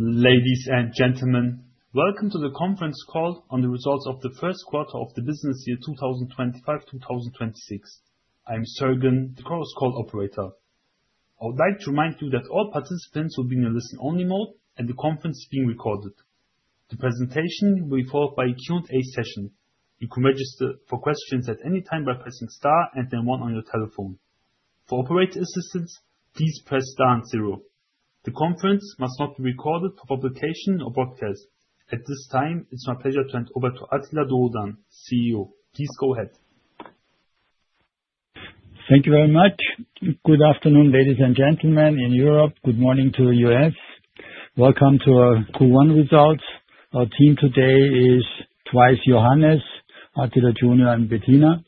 Ladies and gentlemen, welcome to the conference call on the results of the first quarter of the business year 2025-2026. I'm Sergen, the cross-call operator. I would like to remind you that all participants will be in a listen-only mode, and the conference is being recorded. The presentation will be followed by a Q&A session. You can register for questions at any time by pressing Star and then one on your telephone. For operator assistance, please press Star and zero. The conference must not be recorded for publication or broadcast. At this time, it's my pleasure to hand over to Attila Dogudan, CEO. Please go ahead. Thank you very much. Good afternoon, ladies and gentlemen in Europe. Good morning to the U.S. Welcome to our Q1 results. Our team today is twice: Johannes, Attila Junior, and Bettina.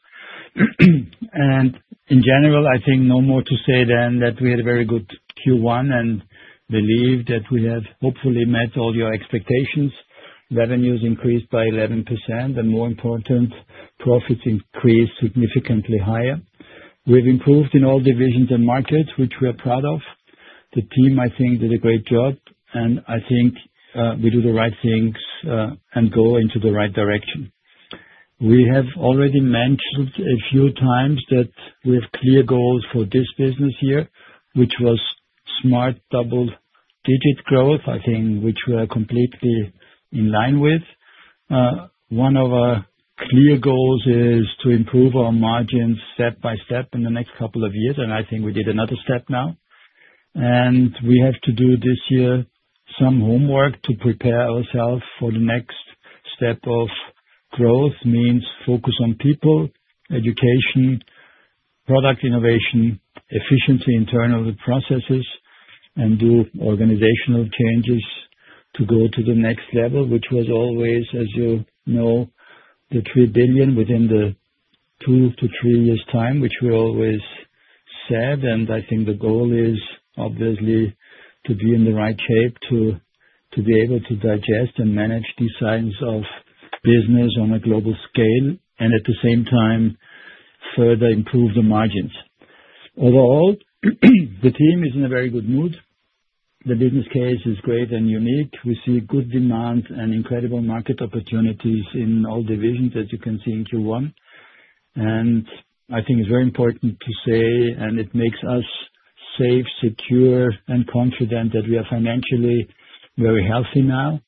In general, I think no more to say than that we had a very good Q1 and believe that we have hopefully met all your expectations. Revenues increased by 11%, and more important, profits increased significantly higher. We've improved in all divisions and markets, which we are proud of. The team, I think, did a great job, and I think we do the right things and go into the right direction. We have already mentioned a few times that we have clear goals for this business year, which was smart double-digit growth, I think, which we are completely in line with. One of our clear goals is to improve our margins step by step in the next couple of years, and I think we did another step now. We have to do this year some homework to prepare ourselves for the next step of growth. It means focus on people, education, product innovation, efficiency, internal processes, and do organizational changes to go to the next level, which was always, as you know, the $3 billion within the two-three years' time, which we always said. I think the goal is obviously to be in the right shape to be able to digest and manage these sizes of business on a global scale, and at the same time, further improve the margins. Overall, the team is in a very good mood. The business case is great and unique. We see good demand and incredible market opportunities in all divisions, as you can see in Q1. I think it's very important to say, and it makes us safe, secure, and confident that we are financially very healthy now.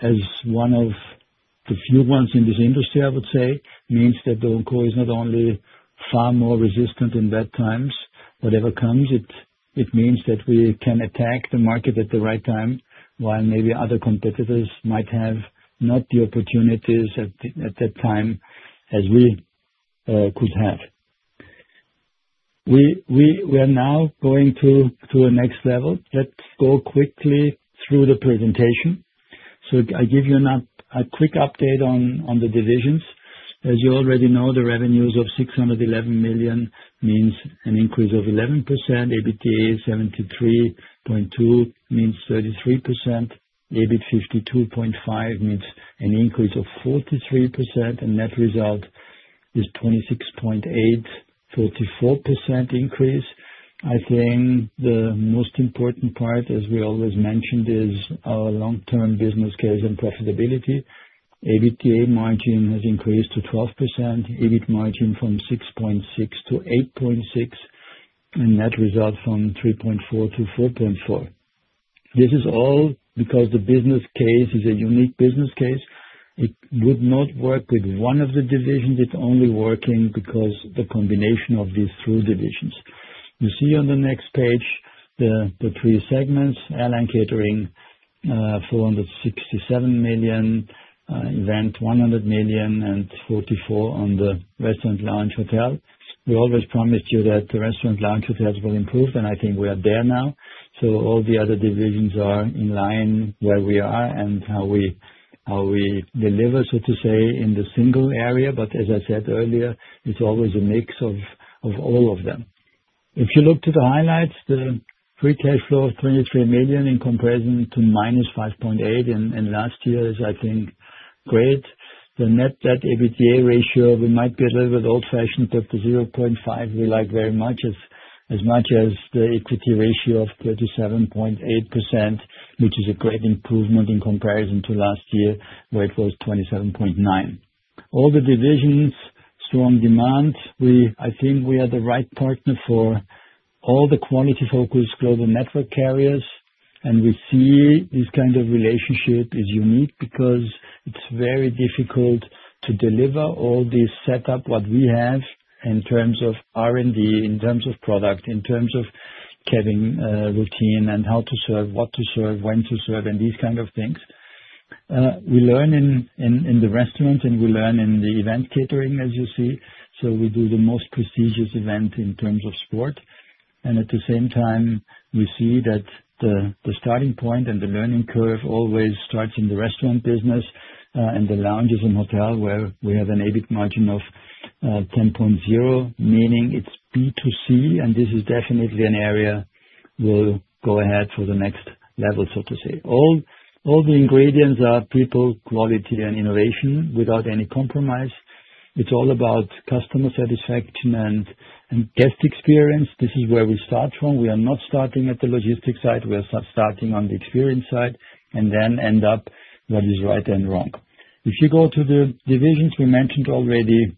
As one of the few ones in this industry, I would say, it means that DO & CO Aktiengesellschaft is not only far more resistant in bad times, whatever comes, it means that we can attack the market at the right time while maybe other competitors might have not the opportunities at that time as we could have. We are now going to the next level. Let's go quickly through the presentation. I give you a quick update on the divisions. As you already know, the revenues of $611 million mean an increase of 11%. EBITDA $73.2 million means 33%. EBITDA $52.5 million means an increase of 43%. Net result is $26.8 million, 44% increase. I think the most important part, as we always mentioned, is our long-term business case and profitability. EBITDA margin has increased to 12%. EBITDA margin from 6.6%- 8.6%. Net result from 3.4 to 4.4. This is all because the business case is a unique business case. It would not work with one of the divisions. It's only working because of the combination of these three divisions. You see on the next page the three segments: airline catering, $467 million, event $100 million, and $44 million on the restaurant/lounge/hotel. We always promise you that the restaurant/lounge/hotels will improve, and I think we are there now. All the other divisions are in line where we are and how we deliver, so to say, in the single area. As I said earlier, it's always a mix of all of them. If you look to the highlights, the free cash flow of $23 million in comparison to minus $5.8 million in last year is, I think, great. The net debt/EBITDA ratio, we might be a little bit old-fashioned, but the 0.5 we like very much, as much as the equity ratio of 37.8%, which is a great improvement in comparison to last year, where it was 27.9%. All the divisions, strong demand. I think we are the right partner for all the quality-focused global network carriers. We see this kind of relationship is unique because it's very difficult to deliver all this setup, what we have, in terms of R&D, in terms of product, in terms of having a routine and how to serve, what to serve, when to serve, and these kinds of things. We learn in the restaurant and we learn in the event catering, as you see. We do the most prestigious event in terms of sport. At the same time, we see that the starting point and the learning curve always starts in the restaurant business and the lounges and hotels, where we have an EBITDA margin of 10.0%, meaning it's B2C. This is definitely an area we'll go ahead for the next level, so to say. All the ingredients are people, quality, and innovation without any compromise. It's all about customer satisfaction and guest experience. This is where we start from. We are not starting at the logistics side. We are starting on the experience side and then end up what is right and wrong. If you go to the divisions, we mentioned already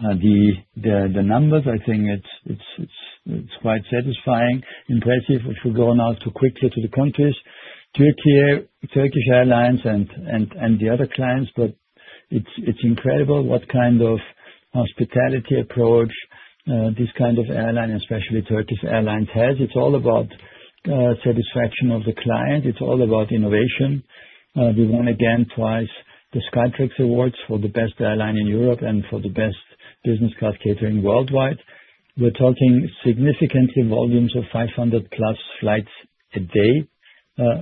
the numbers. I think it's quite satisfying, impressive. If we go now quickly to the countries, Turkish Airlines and the other clients, it's incredible what kind of hospitality approach this kind of airline, especially Turkish Airlines, has. It's all about satisfaction of the client. It's all about innovation. We won, again, twice the Skytrax Awards for the best airline in Europe and for the best business class catering worldwide. We're talking significant volumes of 500-plus flights a day,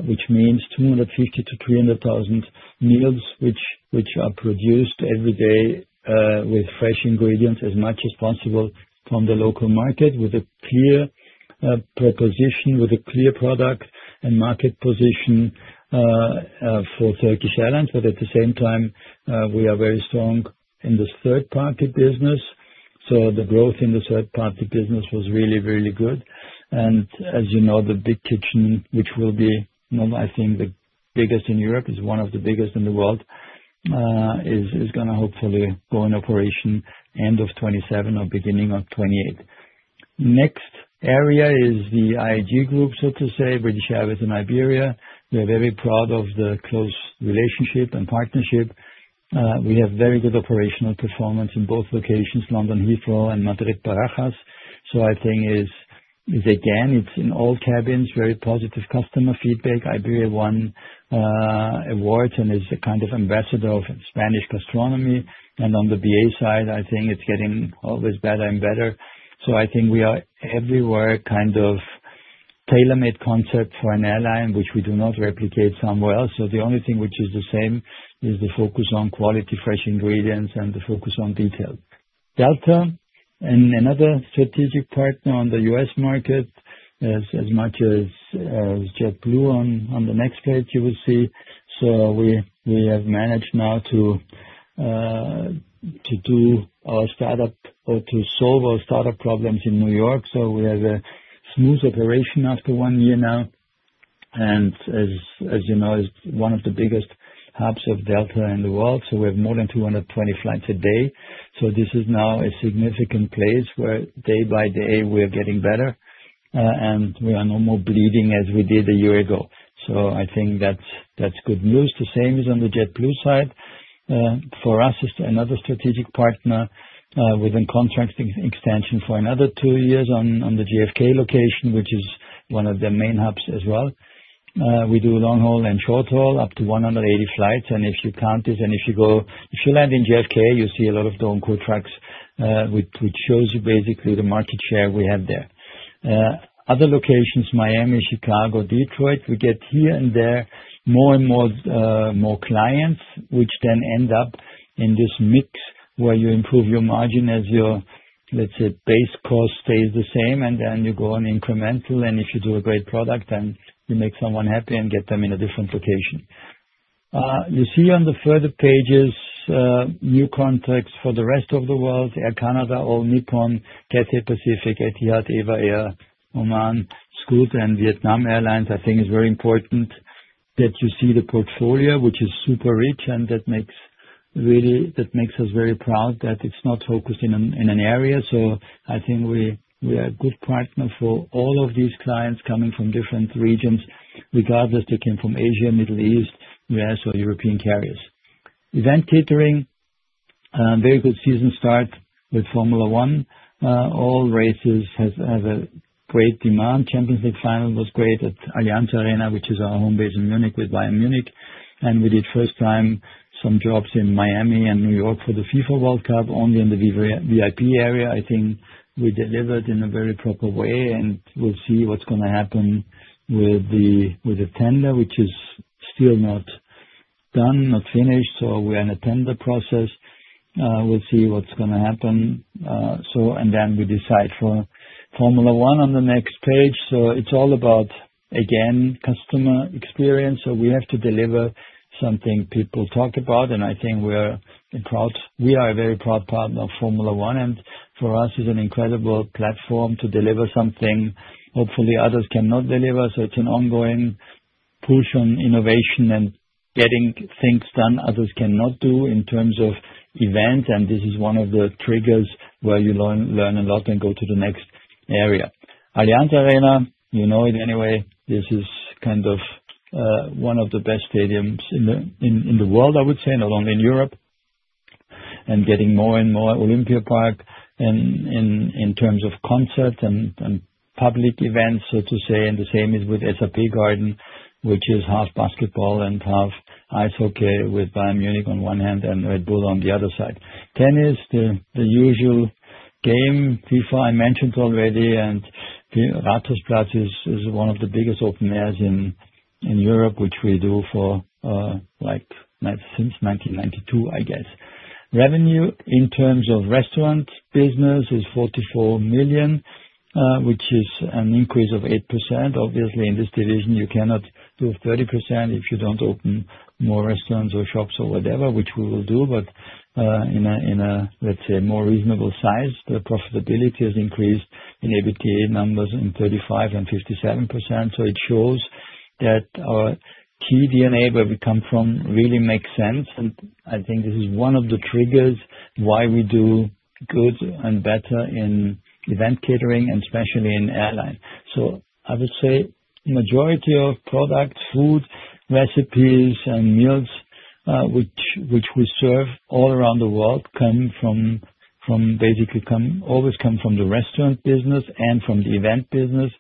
which means 250,000-300,000 meals which are produced every day with fresh ingredients as much as possible from the local market, with a clear proposition, with a clear product and market position for Turkish Airlines. At the same time, we are very strong in this third-party business. The growth in the third-party business was really, really good. As you know, the big kitchen, which will be, I think, the biggest in Europe, is one of the biggest in the world, is going to hopefully go in operation end of 2027 or beginning of 2028. Next area is the IG group, so to say, British Airways and Iberia. We are very proud of the close relationship and partnership. We have very good operational performance in both locations, London, Heathrow, and Madrid, Barajas. I think it's, again, it's in all cabins, very positive customer feedback. Iberia won awards and is a kind of ambassador of Spanish gastronomy. On the BA side, I think it's getting always better and better. We are everywhere kind of tailor-made concept for an airline, which we do not replicate somewhere else. The only thing which is the same is the focus on quality, fresh ingredients, and the focus on detail. Delta and another strategic partner on the US market, as much as JetBlue on the next page, you will see. We have managed now to do our startup or to solve our startup problems in New York. We have a smooth operation after one year now. As you know, it's one of the biggest hubs of Delta in the world. We have more than 220 flights a day. This is now a significant place where day by day we are getting better. We are no more bleeding as we did a year ago. I think that's good news. The same is on the JetBlue side. For us, it's another strategic partner with a contract extension for another two years on the JFK location, which is one of the main hubs as well. We do long haul and short haul, up to 180 flights. If you count this, and if you go, if you land in JFK, you see a lot of DO & CO trucks, which shows you basically the market share we had there. Other locations, Miami, Chicago, Detroit, we get here and there more and more clients, which then end up in this mix where you improve your margin as your, let's say, base cost stays the same, and then you go on incremental. If you do a great product, then you make someone happy and get them in a different location. You see on the further pages, new contacts for the rest of the world: Air Canada, All Nippon, Cathay Pacific, Etihad, Eva Air, Oman, Scoot, and Vietnam Airlines. I think it's very important that you see the portfolio, which is super rich, and that makes us very proud that it's not focused in an area. I think we are a good partner for all of these clients coming from different regions, regardless if they came from Asia, Middle East, U.S., or European carriers. Event catering, very good season start with Formula One. All races have a great demand. Champions League final was great at Allianz Arena, which is our home base in Munich with Bayern Munich. We did first time some jobs in Miami and New York for the FIFA World Cup, only in the VIP area. I think we delivered in a very proper way, and we'll see what's going to happen with the tender, which is still not done, not finished. We are in a tender process. We'll see what's going to happen. We decide for Formula One on the next page. It's all about, again, customer experience. We have to deliver something people talk about. I think we are proud. We are a very proud partner of Formula One. For us, it's an incredible platform to deliver something hopefully others cannot deliver. It's an ongoing push on innovation and getting things done others cannot do in terms of events. This is one of the triggers where you learn a lot and go to the next area. Allianz Arena, you know it anyway, this is kind of one of the best stadiums in the world, I would say, and not only in Europe. Getting more and more Olympiapark in terms of concerts and public events, so to say. The same is with SAP Garden, which is half basketball and half ice hockey with Bayern Munich on one hand and Red Bull on the other side. Tennis, the usual game, FIFA I mentioned already, and Rathausplatz is one of the biggest open airs in Europe, which we do for, like since 1992, I guess. Revenue in terms of restaurant business is $44 million, which is an increase of 8%. Obviously, in this division, you cannot do 30% if you don't open more restaurants or shops or whatever, which we will do. In a, let's say, more reasonable size, the profitability has increased in EBITDA numbers in 35 and 57%. It shows that our TDNA, where we come from, really makes sense. I think this is one of the triggers why we do good and better in event catering and especially in airline. I would say the majority of products, food, recipes, and meals which we serve all around the world basically always come from the restaurant business and from the event business.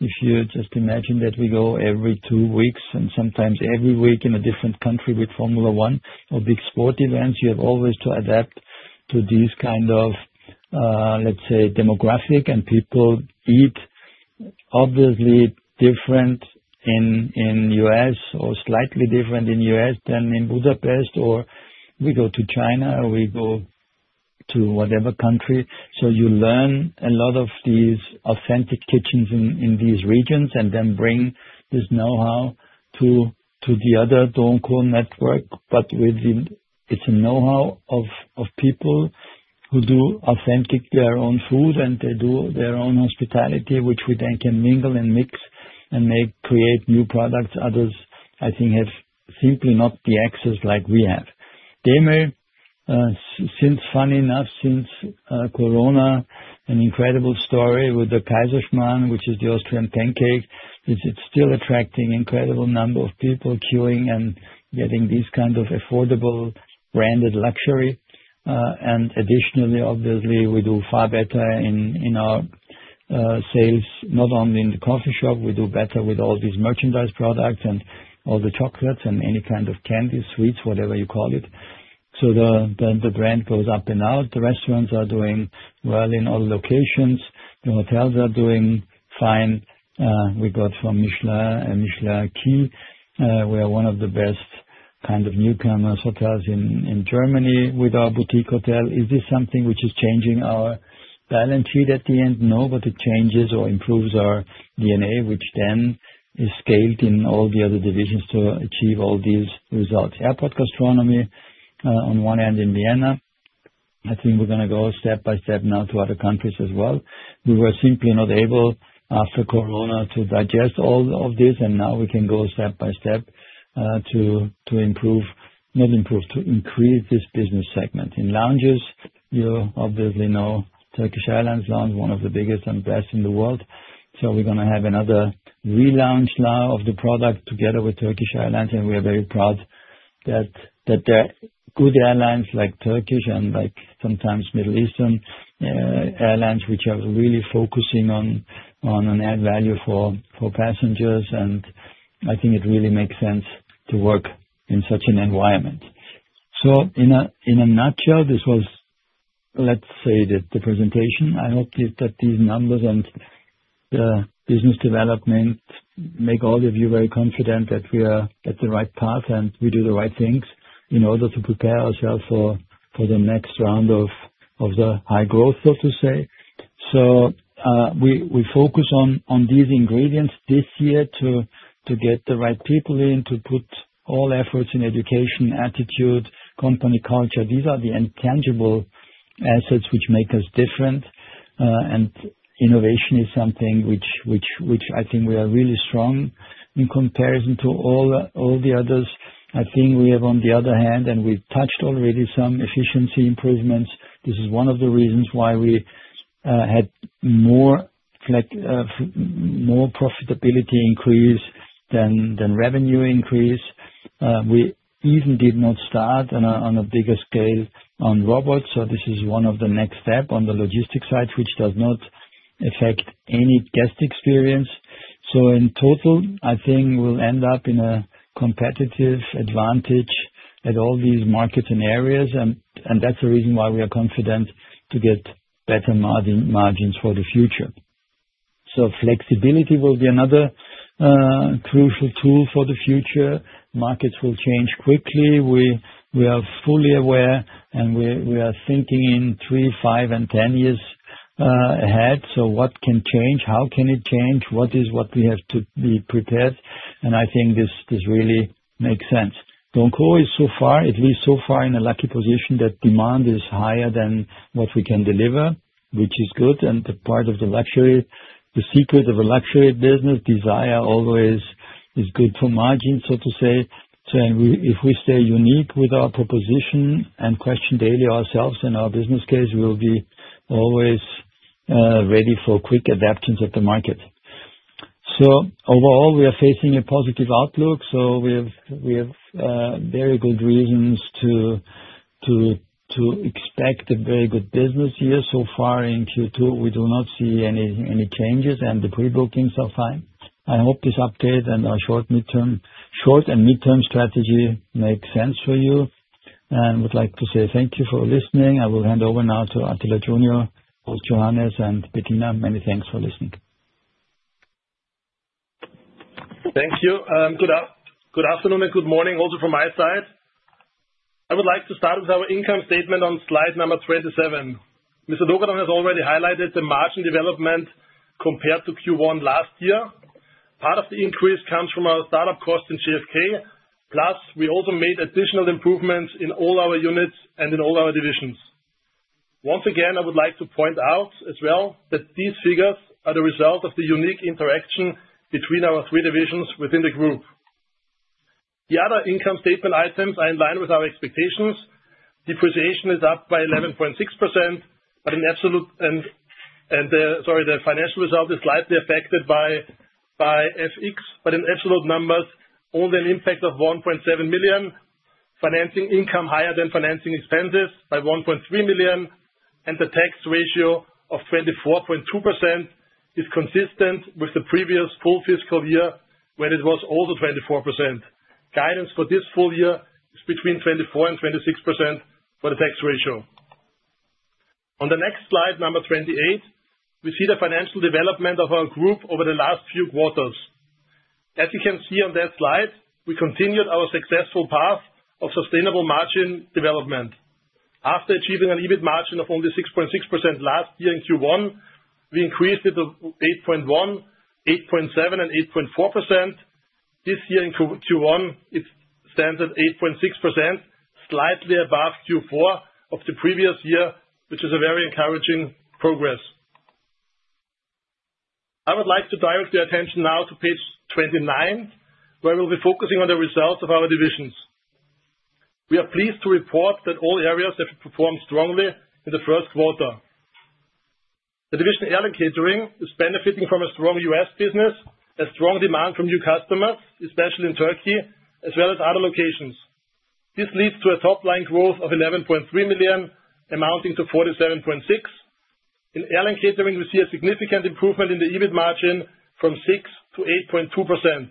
If you just imagine that we go every two weeks and sometimes every week in a different country with Formula One or big sport events, you always have to adapt to these kinds of, let's say, demographics. People eat obviously different in the U.S. or slightly different in the U.S. than in Budapest, or we go to China or we go to whatever country. You learn a lot of these authentic kitchens in these regions and then bring this know-how to the other DO & CO network. It is a know-how of people who do authentically their own food and they do their own hospitality, which we then can mingle and mix and create new products. Others, I think, have simply not the access like we have. Since, funny enough, since Corona, an incredible story with the Kaiserschmarrn, which is the Austrian pancake, is it's still attracting an incredible number of people queuing and getting these kinds of affordable branded luxury. Additionally, obviously, we do far better in our sales, not only in the coffee shop. We do better with all these merchandise products and all the chocolates and any kind of candies, sweets, whatever you call it. The brand goes up and out. The restaurants are doing well in all locations. The hotels are doing fine. We got from Michelin and Michelin Q. We are one of the best kind of newcomers hotels in Germany with our boutique hotel. Is this something which is changing our balance sheet at the end? No, but it changes or improves our DNA, which then is scaled in all the other divisions to achieve all these results. Airport gastronomy, on one end in Vienna. I think we're going to go step by step now to other countries as well. We were simply not able after Corona to digest all of this, and now we can go step by step to increase this business segment. In lounges, you obviously know, Turkish Airlines lounge, one of the biggest and best in the world. We're going to have another relaunch now of the product together with Turkish Airlines. We are very proud that there are good airlines like Turkish and sometimes Middle Eastern airlines which are really focusing on an add value for passengers. I think it really makes sense to work in such an environment. In a nutshell, this was, let's say, the presentation. I hope that these numbers and the business development make all of you very confident that we are at the right path and we do the right things in order to prepare ourselves for the next round of high growth, so to say. We focus on these ingredients this year to get the right people in, to put all efforts in education, attitude, company culture. These are the intangible assets which make us different. Innovation is something which I think we are really strong in comparison to all the others. I think we have, on the other hand, and we touched already some efficiency improvements. This is one of the reasons why we had more profitability increase than revenue increase. We even did not start on a bigger scale on robots. This is one of the next steps on the logistics side, which does not affect any guest experience. In total, I think we'll end up in a competitive advantage at all these markets and areas. That's the reason why we are confident to get better margins for the future. Flexibility will be another crucial tool for the future. Markets will change quickly. We are fully aware, and we are thinking in three, five, and 10 years ahead. What can change? How can it change? What is what we have to be prepared? I think this really makes sense. DO & CO is so far, at least so far, in a lucky position that demand is higher than what we can deliver, which is good. The part of the luxury, the secret of a luxury business, desire always is good for margins, so to say. If we stay unique with our proposition and question daily ourselves and our business case, we'll be always ready for quick adaptions at the market. Overall, we are facing a positive outlook. We have very good reasons to expect a very good business year. So far in Q2, we do not see any changes, and the pre-bookings are fine. I hope this update and our short and midterm strategy makes sense for you. I would like to say thank `you for listening. I will hand over now to Attila Dogudan Jr., both Johannes and Bettina. Many thanks for listening. Thank you. Good afternoon and good morning also from my side. I would like to start with our income statement on slide number 27. Mr. Dogudan has already highlighted the margin development compared to Q1 last year. Part of the increase comes from our startup cost in JFK. Plus, we also made additional improvements in all our units and in all our divisions. Once again, I would like to point out as well that these figures are the result of the unique interaction between our three divisions within the group. The other income statement items are in line with our expectations. Depreciation is up by 11.6%. In absolute, the financial result is slightly affected by FX. In absolute numbers, only an impact of $1.7 million. Financing income higher than financing expenses by $1.3 million. The tax ratio of 24.2% is consistent with the previous full fiscal year when it was also 24%. Guidance for this full year is between 24% and 26% for the tax ratio. On the next slide, number 28, we see the financial development of our group over the last few quarters. As you can see on that slide, we continued our successful path of sustainable margin development. After achieving an EBITDA margin of only 6.6% last year in Q1, we increased it to 8.1%, 8.7%, and 8.4%. This year in Q1, it stands at 8.6%, slightly above Q4 of the previous year, which is a very encouraging progress. I would like to direct your attention now to page 29, where we'll be focusing on the results of our divisions. We are pleased to report that all areas have performed strongly in the first quarter. The division airline catering is benefiting from a strong US business, a strong demand from new customers, especially in Turkey, as well as other locations. This leads to a top-line growth of $11.3 million, amounting to $47.6 million. In airline catering, we see a significant improvement in the EBITDA margin from 6% to 8.2%.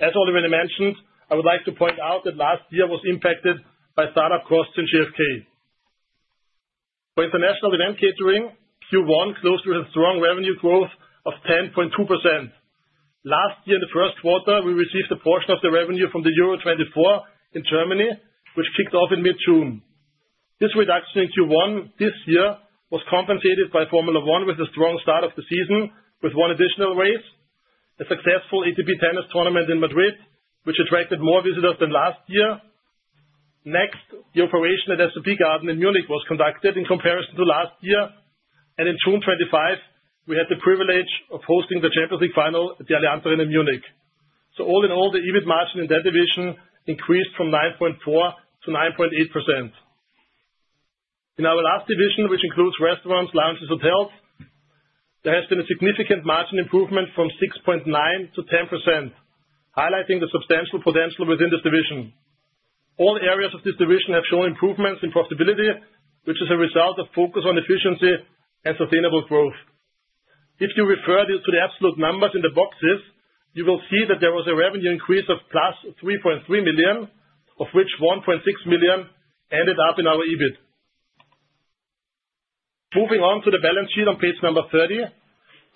As already mentioned, I would like to point out that last year was impacted by startup costs in JFK. For international event catering, Q1 closed with a strong revenue growth of 10.2%. Last year, in the first quarter, we received a portion of the revenue from the euro 24 in Germany, which kicked off in mid-June. This reduction in Q1 this year was compensated by Formula One with a strong start of the season with one additional race, a successful ATP tennis tournament in Madrid, which attracted more visitors than last year. Next, the operation at SAP Garden in Munich was conducted in comparison to last year. In June 25, we had the privilege of hosting the Champions League final at the Allianz Arena in Munich. All in all, the EBITDA margin in that division increased from 9.4% to 9.8%. In our last division, which includes Restaurants/Lounges/Hotels, there has been a significant margin improvement from 6.9% to 10%, highlighting the substantial potential within this division. All areas of this division have shown improvements in profitability, which is a result of focus on efficiency and sustainable growth. If you refer to the absolute numbers in the boxes, you will see that there was a revenue increase of plus $3.3 million, of which $1.6 million ended up in our EBIT. Moving on to the balance sheet on page number 30,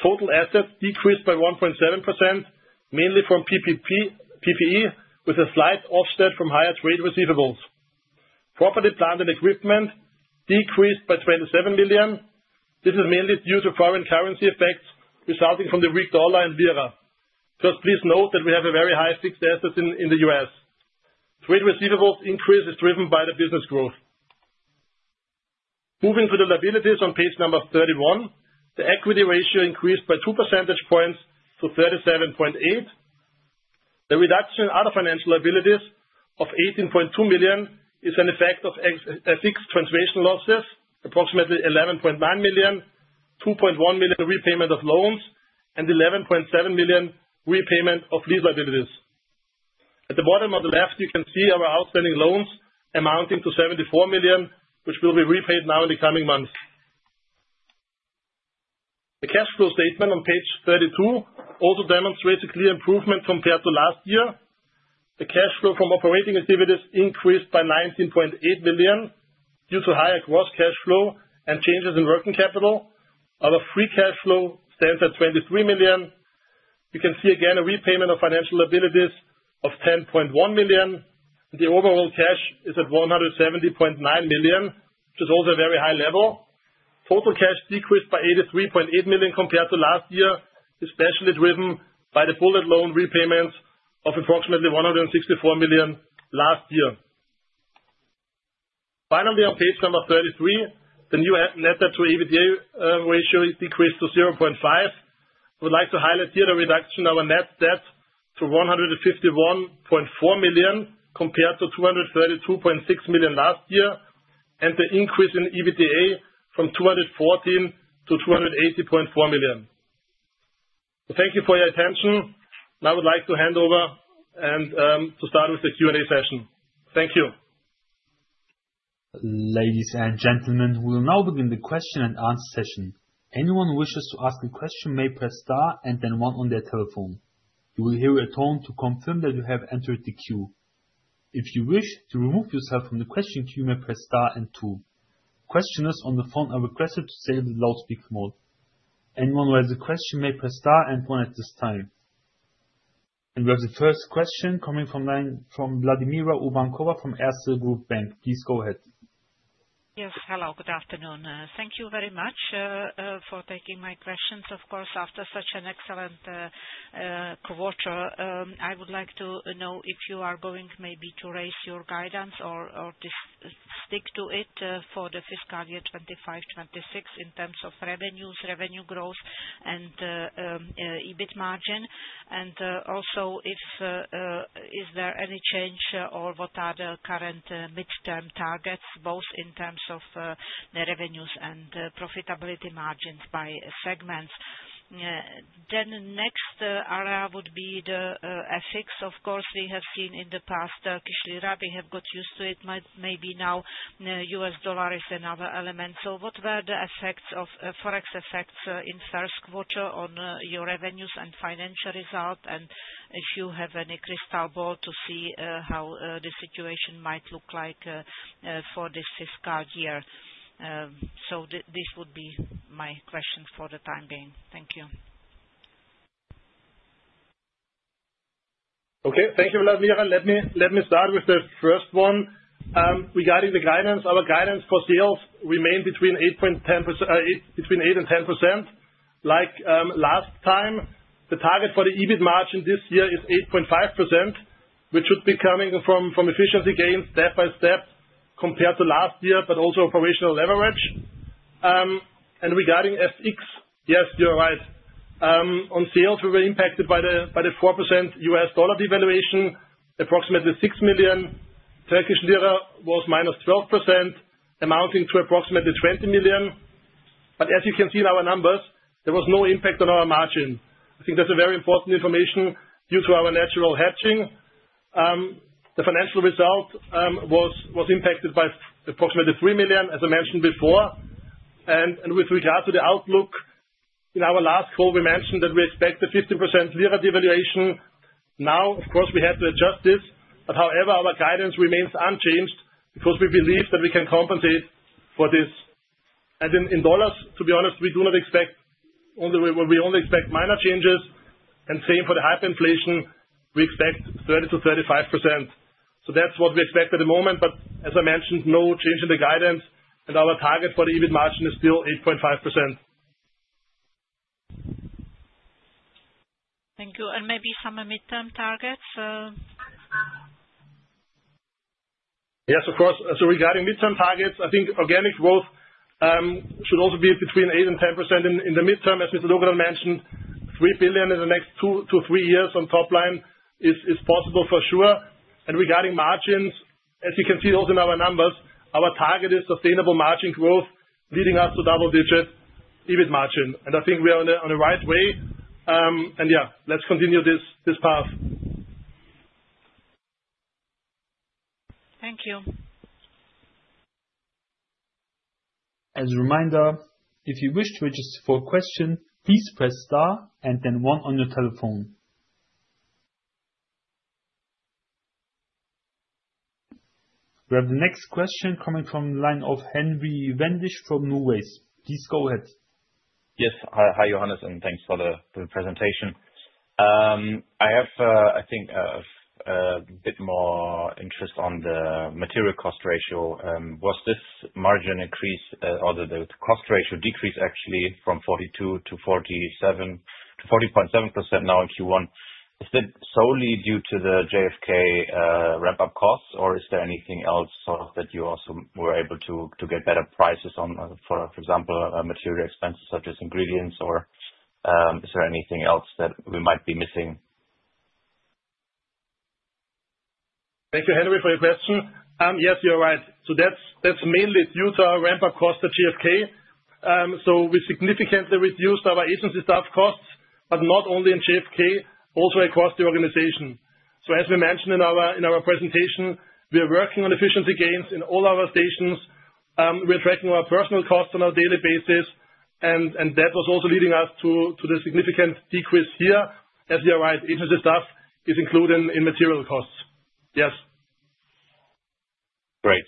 total assets decreased by 1.7%, mainly from PPE, with a slight offset from higher trade receivables. Property, plant, and equipment decreased by $27 million. This is mainly due to foreign currency effects resulting from the weak dollar and lira. Please note that we have very high fixed assets in the U.S. Trade receivables increase is driven by the business growth. Moving to the liabilities on page number 31, the equity ratio increased by 2 percentage points to 37.8%. The reduction in other financial liabilities of $18.2 million is an effect of fixed transmission losses, approximately $11.9 million, $2.1 million repayment of loans, and $11.7 million repayment of these liabilities. At the bottom of the left, you can see our outstanding loans amounting to $74 million, which will be repaid now in the coming months. The cash flow statement on page 32 also demonstrates a clear improvement compared to last year. The cash flow from operating activities increased by $19.8 million due to higher gross cash flow and changes in working capital. Our free cash flow stands at $23 million. You can see again a repayment of financial liabilities of $10.1 million. The overall cash is at $170.9 million, which is also a very high level. Total cash decreased by $83.8 million compared to last year, especially driven by the bullet loan repayments of approximately $164 million last year. Finally, on page number 33, the new net debt/EBITDA ratio is decreased to 0.5. I would like to highlight here the reduction of our net debt to $151.4 million compared to $232.6 million last year and the increase in EBITDA from $214 million to $280.4 million. Thank you for your attention. I would like to hand over and start with the Q&A session. Thank you. Ladies and gentlemen, we will now begin the question and answer session. Anyone who wishes to ask a question may press Star and then one on their telephone. You will hear a tone to confirm that you have entered the queue. If you wish to remove yourself from the question queue, you may press Star and two. Questioners on the phone are requested to stay in the loudspeaker mode. Anyone who has a question may press Star and one at this time. We have the first question coming from Vladimira Urbankova from Erste Group Bank. Please go ahead. Yes. Hello. Good afternoon. Thank you very much for taking my questions. Of course, after such an excellent quarter, I would like to know if you are going maybe to raise your guidance or to stick to it for the fiscal year 2025-2026 in terms of revenues, revenue growth, and EBITDA margin. Also, if there is any change or what are the current midterm targets, both in terms of the revenues and profitability margins by segments. The next area would be the FX. Of course, we have seen in the past Turkish lira. We have got used to it. Maybe now US dollar is another element. What were the FX effects in the first quarter on your revenues and financial result? If you have any crystal ball to see how the situation might look like for this fiscal year. This would be my question for the time being. Thank you. Okay. Thank you, Vladimira. Let me start with the first one. Regarding the guidance, our guidance for sales remains between 8% and 10%. Like last time, the target for the EBITDA margin this year is 8.5%, which should be coming from efficiency gains step by step compared to last year, but also operational leverage. Regarding FX, yes, you're right. On sales, we were impacted by the 4% US dollar devaluation, approximately $6 million. Turkish lira was minus 12%, amounting to approximately $20 million. As you can see in our numbers, there was no impact on our margin. I think that's very important information due to our natural hedging. The financial result was impacted by approximately $3 million, as I mentioned before. With regard to the outlook, in our last call, we mentioned that we expect a 15% lira devaluation. Of course, we had to adjust this. However, our guidance remains unchanged because we believe that we can compensate for this. In dollars, to be honest, we only expect minor changes. The same for the hyperinflation, we expect 30% to 35%. That's what we expect at the moment. As I mentioned, no change in the guidance. Our target for the EBITDA margin is still 8.5%. Thank you. Maybe some midterm targets? Yes, of course. Regarding midterm targets, I think organic growth should also be between 8% and 10% in the midterm, as Mr. Dogudan mentioned. $3 billion in the next two-three years on top line is possible for sure. Regarding margins, as you can see also in our numbers, our target is sustainable margin growth, leading us to double-digit EBITDA margin. I think we are on the right way. Yeah, let's continue this path. Thank you. As a reminder, if you wish to register for a question, please press Star and then one on your telephone. We have the next question coming from the line of Henry Vendisch from NuWays. Please go ahead. Yes. Hi, Johannes, and thanks for the presentation. I have, I think, a bit more interest on the material cost ratio. Was this margin increase, or the cost ratio decrease actually from 42% to 40.7% now in Q1, is it solely due to the JFK ramp-up cost, or is there anything else that you also were able to get better prices on, for example, material expenses such as ingredients, or is there anything else that we might be missing? Thank you, Henry, for your question. Yes, you're right. That's mainly due to our ramp-up cost at JFK. We significantly reduced our ESG staff costs, not only in JFK but also across the organization. As we mentioned in our presentation, we are working on efficiency gains in all our stations. We are tracking our personnel costs on a daily basis, which was also leading us to the significant decrease here. You are right, ESG staff is included in material costs. Yes. Great.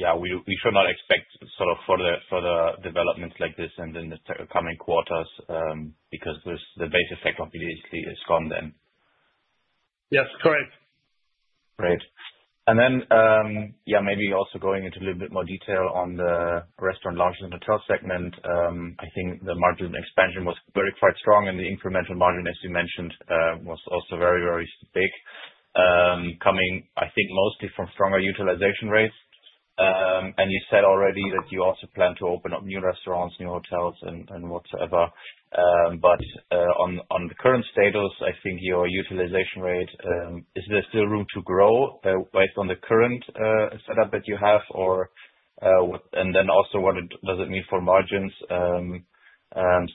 Yeah, we should not expect sort of further developments like this in the coming quarters because the base effect obviously is gone then. Yes, correct. Great. Maybe also going into a little bit more detail on the Restaurants/Lounges/Hotels segment. I think the margin expansion was very quite strong, and the incremental margin, as you mentioned, was also very, very big, coming, I think, mostly from stronger utilization rates. You said already that you also plan to open up new restaurants, new hotels, and whatsoever. On the current status, I think your utilization rate, is there still room to grow based on the current setup that you have? Also, what does it mean for margins? Should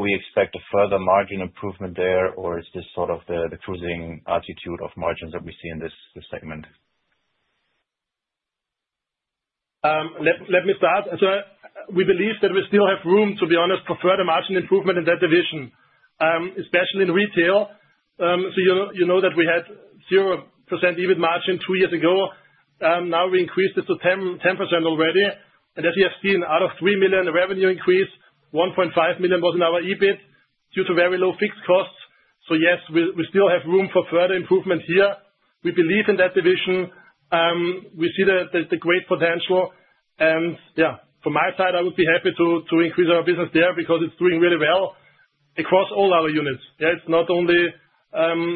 we expect a further margin improvement there, or is this sort of the cruising altitude of margins that we see in this segment? Let me start. We believe that we still have room, to be honest, for further margin improvement in that division, especially in retail. You know that we had 0% EBITDA margin two years ago. Now we increased it to 10% already. As you have seen, out of $3 million revenue increase, $1.5 million was in our EBITDA due to very low fixed costs. Yes, we still have room for further improvement here. We believe in that division. We see the great potential. From my side, I would be happy to increase our business there because it's doing really well across all our units. It's not only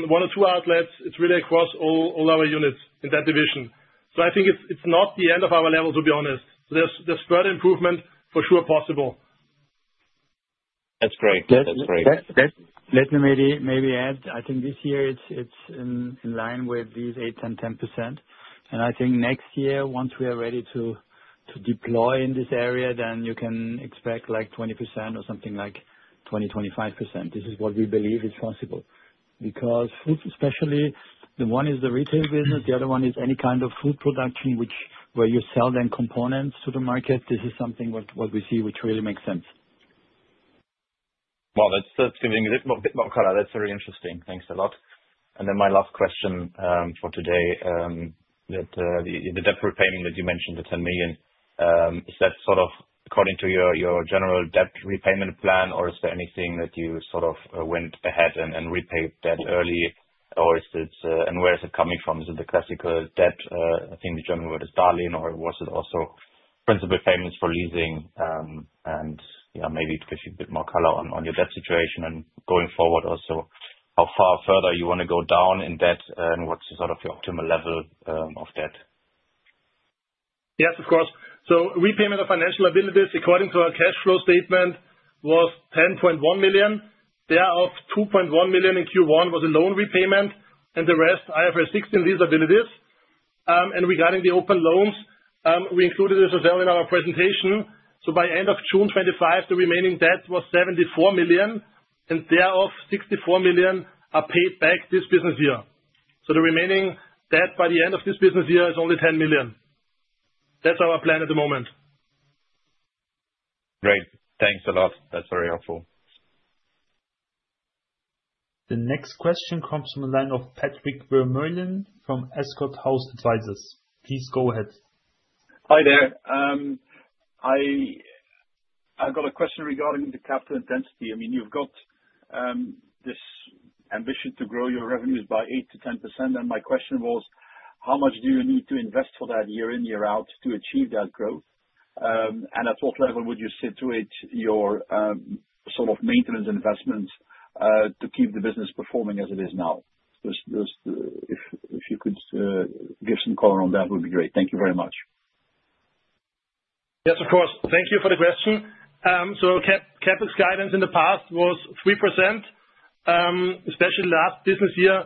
one or two outlets. It's really across all our units in that division. I think it's not the end of our level, to be honest. There's further improvement for sure possible. That's great. That's great. Let me maybe add. I think this year it's in line with these 8%, 10%, 10%. I think next year, once we are ready to deploy in this area, you can expect like 20% or something like 20%, 25%. This is what we believe is possible because especially the one is the retail business. The other one is any kind of food production, where you sell then components to the market. This is something what we see, which really makes sense. That's giving a bit more color. That's very interesting. Thanks a lot. My last question for today, the debt repayment that you mentioned, the $10 million, is that sort of according to your general debt repayment plan, or is there anything that you sort of went ahead and repaid that early? Is it, and where is it coming from? Is it the classical debt? I think the German word is Darlehen, or was it also principal payments for leasing? Maybe to give you a bit more color on your debt situation and going forward also, how far further you want to go down in debt and what's your sort of your optimal level of debt? Yes, of course. Repayment of financial liabilities, according to our cash flow statement, was $10.1 million. Thereof, $2.1 million in Q1 was a loan repayment, and the rest IFRS 16 liabilities. Regarding the open loans, we included this as well in our presentation. By the end of June 2025, the remaining debt was $74 million. Thereof, $64 million are paid back this business year. The remaining debt by the end of this business year is only $10 million. That's our plan at the moment. Great. Thanks a lot. That's very helpful. The next question comes from the line of Patrick Vermeulen from Escort House Advisors. Please go ahead. Hi there. I've got a question regarding the capital intensity. You've got this ambition to grow your revenues by 8% to 10%. My question was, how much do you need to invest for that year in, year out to achieve that growth? At what level would you situate your sort of maintenance investments to keep the business performing as it is now? If you could give some color on that, it would be great. Thank you very much. Yes, of course. Thank you for the question. CapEx guidance in the past was 3%, especially last business year.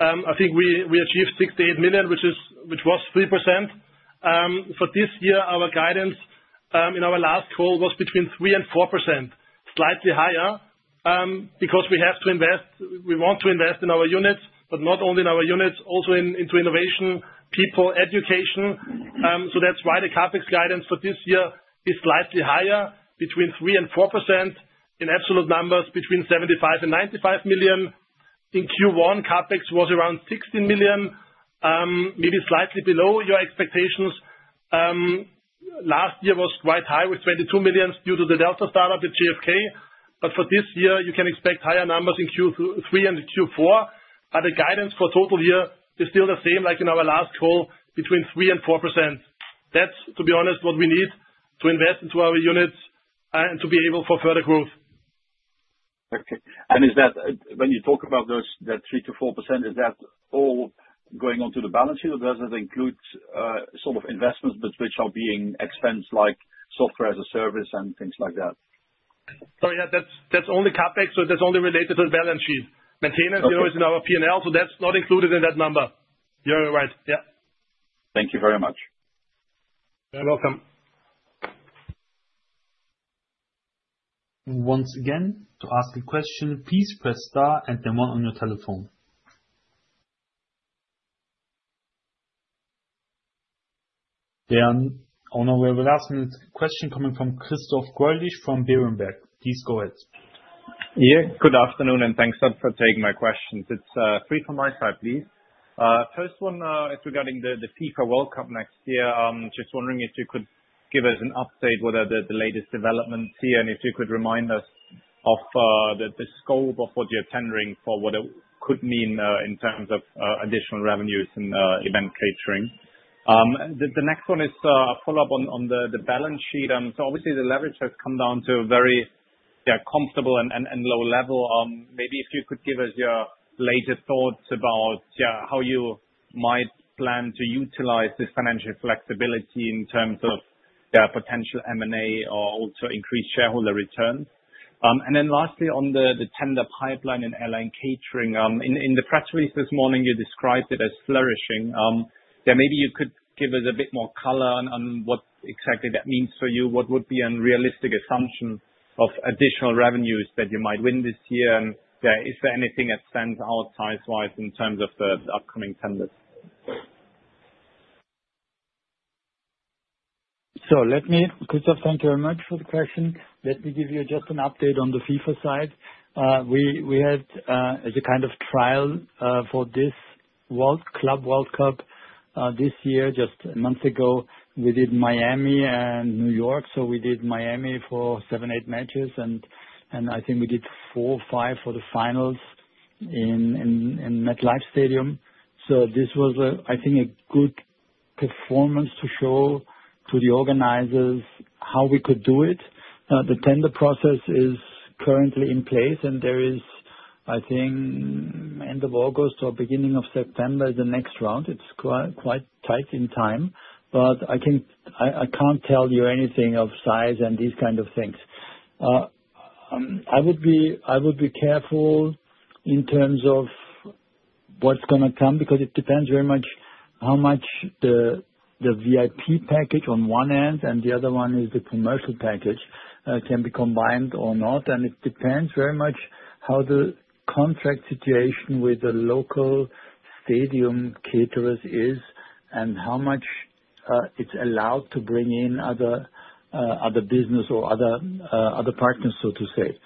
I think we achieved $68 million, which was 3%. For this year, our guidance in our last call was between 3% and 4%, slightly higher, because we have to invest, we want to invest in our units, but not only in our units, also into innovation, people, education. That's why the CapEx guidance for this year is slightly higher, between 3% and 4%. In absolute numbers, between $75 million and $95 million. In Q1, CapEx was around $16 million, maybe slightly below your expectations. Last year was quite high with $22 million due to the Delta Air Lines startup at JFK. For this year, you can expect higher numbers in Q3 and Q4. The guidance for total year is still the same, like in our last call, between 3% and 4%. That's, to be honest, what we need to invest into our units and to be able for further growth. When you talk about those, that 3 to 4%, is that all going onto the balance sheet or does it include sort of investments which are being expensed like software as a service and things like that? Sorry, yeah, that's only CapEx, so that's only related to the balance sheet. Maintenance, you know, it's in our P&L, so that's not included in that number. You're right, yeah. Thank you very much. You're welcome. Once again, to ask a question, please press Star and then one on your telephone. There are no last minute questions coming from Christoph Gröllich from Berenberg. Please go ahead. Yeah. Good afternoon and thanks for taking my questions. It's three from my side, please. First one, it's regarding the FIFA World Cup next year. I'm just wondering if you could give us an update what are the latest developments here and if you could remind us of the scope of what you're tendering for, what it could mean in terms of additional revenues and event catering. The next one is a follow-up on the balance sheet. Obviously, the leverage has come down to a very, yeah, comfortable and low level. Maybe if you could give us your latest thoughts about how you might plan to utilize this financial flexibility in terms of potential M&A or also increased shareholder returns. Lastly, on the tender pipeline in airline catering, in the press release this morning, you described it as flourishing. Maybe you could give us a bit more color on what exactly that means for you. What would be a realistic assumption of additional revenues that you might win this year? Is there anything that stands out size-wise in terms of the upcoming tenders? Christoph, thank you very much for the question. Let me give you just an update on the FIFA side. We had as a kind of trial for this FIFA Club World Cup this year, just a month ago. We did Miami and New York. We did Miami for seven, eight matches, and I think we did four or five for the finals in MetLife Stadium. This was, I think, a good performance to show to the organizers how we could do it. The tender process is currently in place, and there is, I think, end of August or beginning of September, the next round. It's quite tight in time. I can't tell you anything of size and these kinds of things. I would be careful in terms of what's going to come because it depends very much how much the VIP package on one end and the other one is the commercial package can be combined or not. It depends very much how the contract situation with the local stadium caterers is and how much it's allowed to bring in other business or other partners, so to say.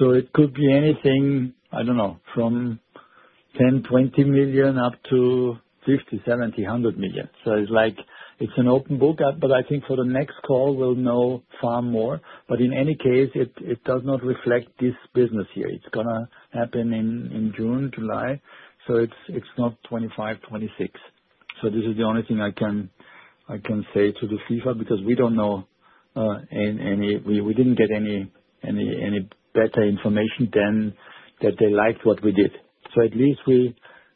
It could be anything, I don't know, from $10 million, $20 million up to $50 million, $70 million, $100 million. It's an open book. I think for the next call, we'll know far more. In any case, it does not reflect this business year. It's going to happen in June, July. It's not 2025, 2026. This is the only thing I can say to the FIFA because we don't know. We didn't get any better information than that they liked what we did. At least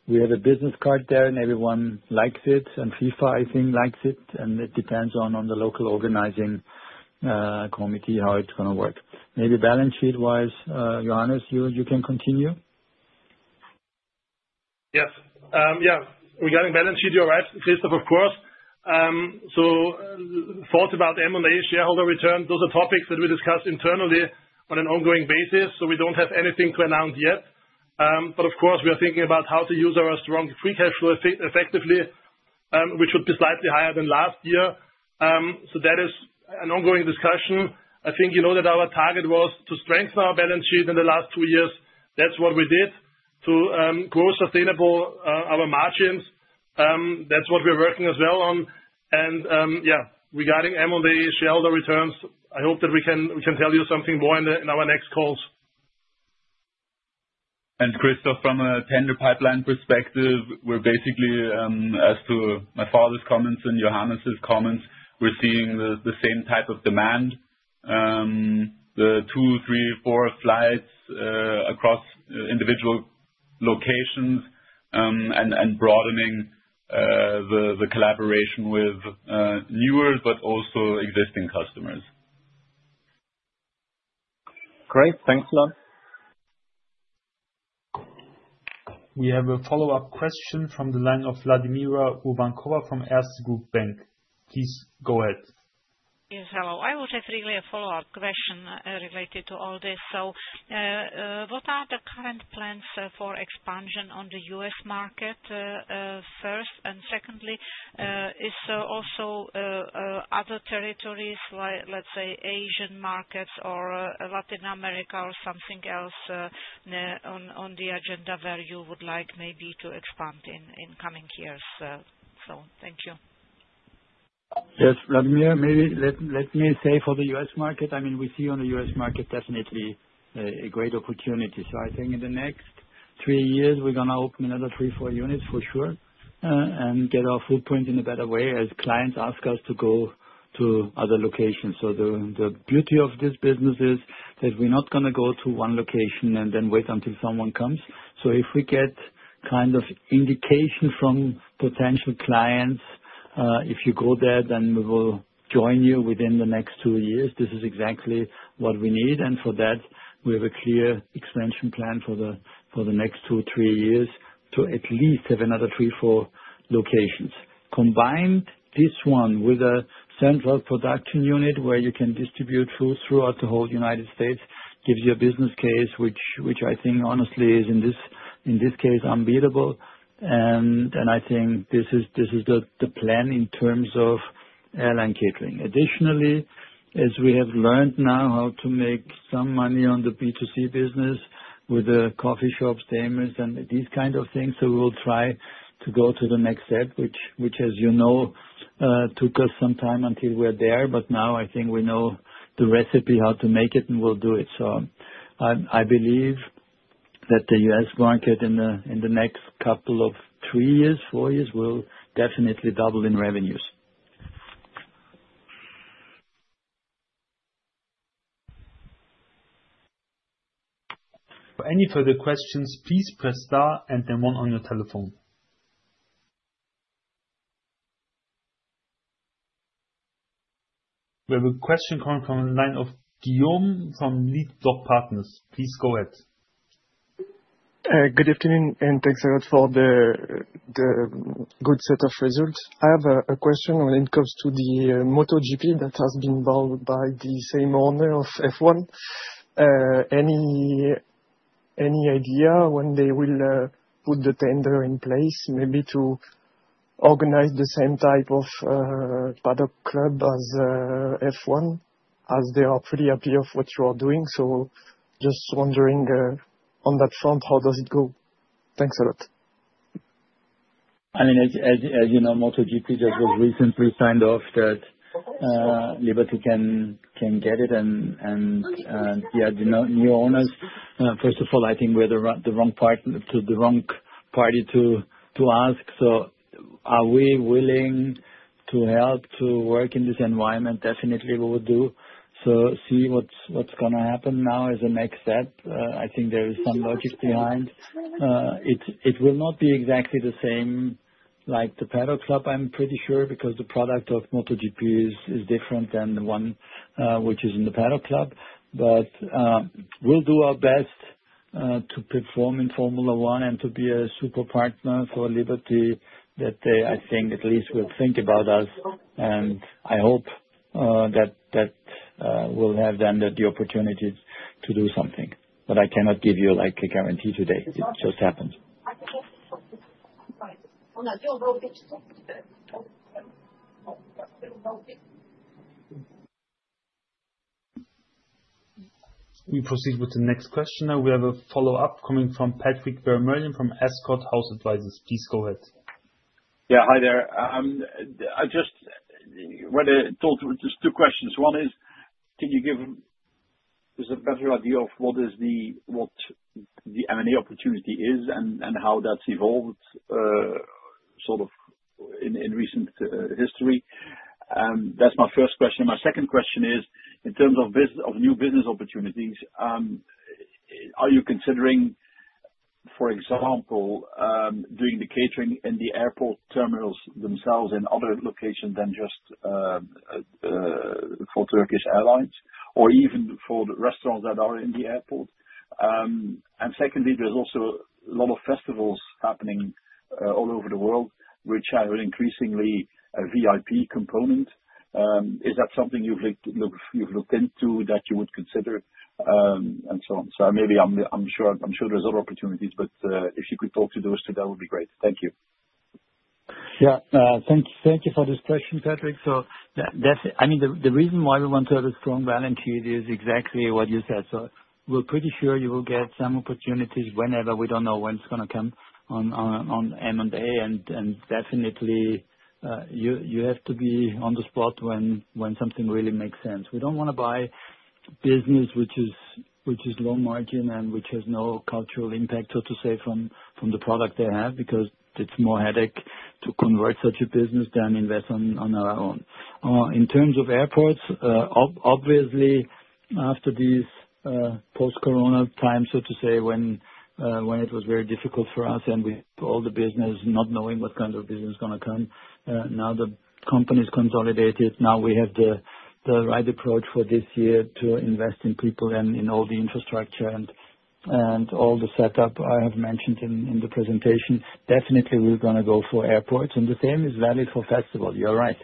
we have a business card there and everyone likes it, and FIFA, I think, likes it. It depends on the local organizing committee how it's going to work. Maybe balance sheet-wise, Johannes, you can continue. Yes. Regarding balance sheet, you're right, Christoph, of course. Thoughts about M&A, shareholder returns, those are topics that we discuss internally on an ongoing basis. We don't have anything to announce yet. Of course, we are thinking about how to use our strong free cash flow effectively, which would be slightly higher than last year. That is an ongoing discussion. I think you know that our target was to strengthen our balance sheet in the last two years. That's what we did to grow sustainably our margins. That's what we're working as well on. Regarding M&A, shareholder returns, I hope that we can tell you something more in our next calls. Christoph, from a tender pipeline perspective, we're basically, as to my father's comments and Johannes's comments, we're seeing the same type of demand, the two, three, four flights across individual locations and broadening the collaboration with newer, but also existing customers. Great. Thanks, Lon. We have a follow-up question from the line of Vladimira Urbankova from Erste Group Bank. Please go ahead. Yes, hello. I would have really a follow-up question related to all this. What are the current plans for expansion on the US market first? Secondly, is also other territories, let's say Asian markets or Latin America or something else on the agenda where you would like maybe to expand in coming years? Thank you. Yes, Vladimira, maybe let me say for the US market, I mean, we see on the US market definitely a great opportunity. I think in the next three years, we are going to open another three, four units for sure and get our footprint in a better way as clients ask us to go to other locations. The beauty of this business is that we are not going to go to one location and then wait until someone comes. If we get kind of indication from potential clients, if you go there, then we will join you within the next two years. This is exactly what we need. For that, we have a clear expansion plan for the next two or three years to at least have another three, four locations. Combine this one with a central production unit where you can distribute food throughout the whole United States, gives you a business case, which I think honestly is in this case unbeatable. I think this is the plan in terms of airline catering. Additionally, as we have learned now how to make some money on the B2C business with the coffee shops, demos, and these kinds of things, we will try to go to the next step, which, as you know, took us some time until we are there. Now I think we know the recipe, how to make it, and we will do it. I believe that the US market in the next couple of three years, four years will definitely double in revenues. For any further questions, please press Star and then one on your telephone. We have a question coming from the line of Guillaume from LeafDog Partners. Please go ahead. Good afternoon, and thanks a lot for the good set of results. I have a question when it comes to the MotoGP that has been involved by the same owner of Formula One. Any idea when they will put the tender in place, maybe to organize the same type of paddock club as Formula One, as there are three appeals of what you are doing? Just wondering on that front, how does it go? Thanks a lot. I mean, as you know, MotoGP just was recently signed off that Liberty can get it. The new owners, first of all, I think we're the wrong party to ask. Are we willing to help to work in this environment? Definitely, we would do. See what's going to happen now as a next step. I think there is some logic behind. It will not be exactly the same like the Paddock Club, I'm pretty sure, because the product of MotoGP is different than the one which is in the Paddock Club. We'll do our best to perform in Formula One and to be a super partner for Liberty that they, I think, at least will think about us. I hope that we'll have then the opportunities to do something. I cannot give you like a guarantee today. It just happens. We proceed with the next question. We have a follow-up coming from Patrick Vermeulen from Escort House Advisors. Please go ahead. Yeah. Hi there. I just want to talk to two questions. One is, can you give us a better idea of what the earning opportunity is and how that's evolved sort of in recent history? That's my first question. My second question is, in terms of new business opportunities, are you considering, for example, doing the catering in the airport terminals themselves in other locations than just for Turkish Airlines or even for the restaurants that are in the airport? Secondly, there's also a lot of festivals happening all over the world, which have an increasingly VIP component. Is that something you've looked into that you would consider and so on? I'm sure there's other opportunities, but if you could talk to those two, that would be great. Thank you. Yeah. Thank you for this question, Patrick. That's, I mean, the reason why we want to have a strong balance sheet is exactly what you said. We're pretty sure you will get some opportunities whenever. We don't know when it's going to come on M&A. Definitely, you have to be on the spot when something really makes sense. We don't want to buy business which is low margin and which has no cultural impact, so to say, from the product they have because it's more headache to convert such a business than invest on our own. In terms of airports, obviously, after these post-Corona times, so to say, when it was very difficult for us and with all the business not knowing what kind of business is going to come, now the company's consolidated. Now we have the right approach for this year to invest in people and in all the infrastructure and all the setup I have mentioned in the presentation. Definitely, we're going to go for airports. The same is valid for festival. You're right.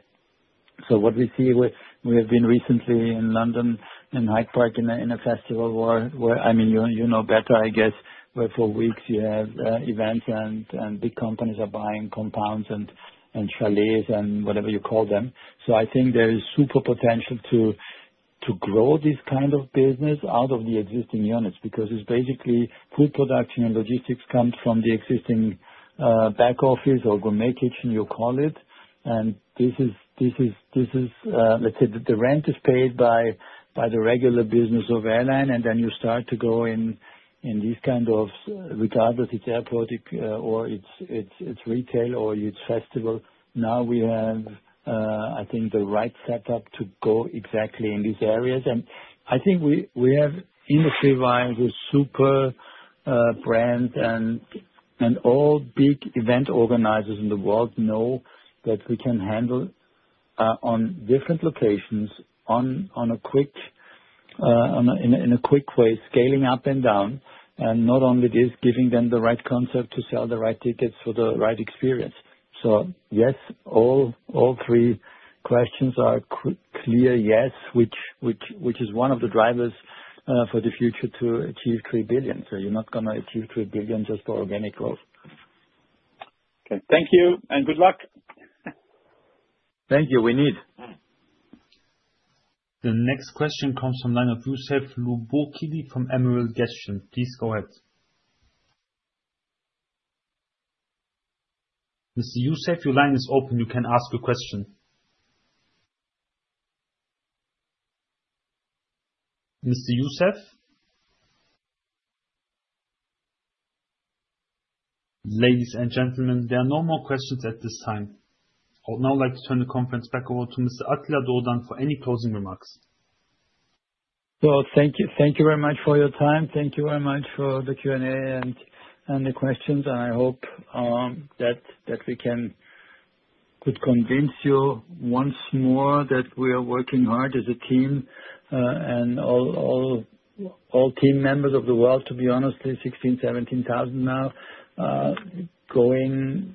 What we see, we have been recently in London in Hyde Park in a festival where, I mean, you know better, I guess, where for weeks you have events and big companies are buying compounds and chalets and whatever you call them. I think there is super potential to grow this kind of business out of the existing units because it's basically food production and logistics comes from the existing back office or gourmet kitchen, you call it. This is, let's say, the rent is paid by the regular business of airline. Then you start to go in in these kinds of, regardless if it's airport or it's retail or it's festival. Now we have, I think, the right setup to go exactly in these areas. I think we have in the free wire with super brand and all big event organizers in the world know that we can handle on different locations in a quick way, scaling up and down. Not only this, giving them the right concept to sell the right tickets for the right experience. Yes, all three questions are clear. Yes, which is one of the drivers for the future to achieve $3 billion. You're not going to achieve $3 billion just for organic growth. Okay, thank you and good luck. Thank you. We need. The next question comes from the line of Youssef Loubokhidi from Emerald Gas Shell. Please go ahead. Mr. Youssef, your line is open. You can ask a question. Mr. Youssef? Ladies and gentlemen, there are no more questions at this time. I would now like to turn the conference back over to Mr. Attila Dogudan for any closing remarks. Thank you very much for your time. Thank you very much for the Q&A and the questions. I hope that we can convince you once more that we are working hard as a team and all team members of the world, to be honest, the 16,000, 17,000 now going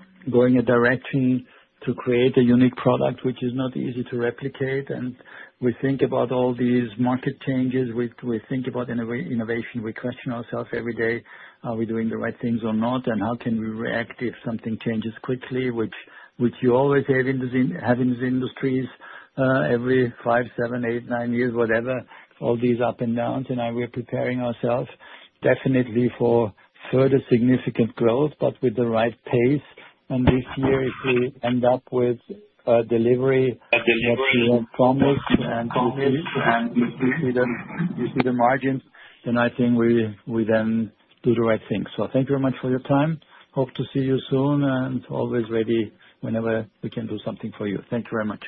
a direction to create a unique product, which is not easy to replicate. We think about all these market changes. We think about innovation. We question ourselves every day, are we doing the right things or not? How can we react if something changes quickly, which you always have in these industries every five, seven, eight, nine years, whatever, all these up and downs. We're preparing ourselves definitely for further significant growth, but with the right pace. This year, if we end up with a delivery, we'll see what's wrong with and what's really. If we don't do see the margins, then I think we then do the right thing. Thank you very much for your time. Hope to see you soon. Always ready whenever we can do something for you. Thank you very much.